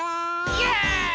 イェーイ！